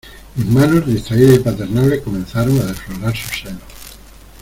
mis manos, distraídas y paternales , comenzaron a desflorar sus senos.